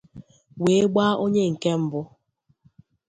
wee gbaa onye nke mbụ.